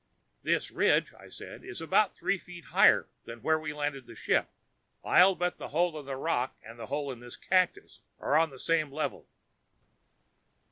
"This ridge," I said, "is about three feet higher than where we landed the ship. I bet the hole in the rock and the hole in this cactus are on the same level."